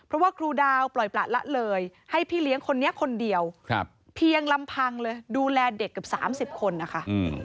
แล้วก็ครูดาวปล่อยประหละเลยให้พี่เลี้ยงคนนี้คนเดียวเพียงลำพังเลยดูแลเด็กกับสามสิบคนอ่ะค่ะ